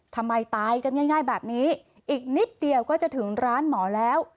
ทำไมตายกันง่ายแบบนี้อีกนิดเดียวก็จะถึงร้านหมอแล้ว